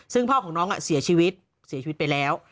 ซึ่งพ่อของน้องเสียชีวิตเสียชีวิตไปแล้ว